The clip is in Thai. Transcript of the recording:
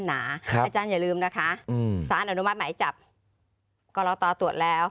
หนาครับอาจารย์อย่าลืมนะคะอืมสารอนุมัติไหมจับก็รอตอตรวจแล้ว